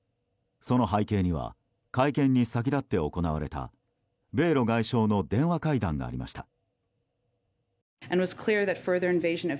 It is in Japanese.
その背景には会見に先だって行われた米露外相の電話会談がありました。